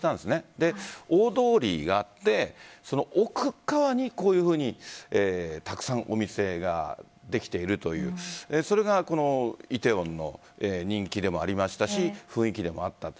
それで大通りがあって奥側に、こういうふうにたくさんお店ができているというそれが、この梨泰院の人気でもありましたし雰囲気でもあったと。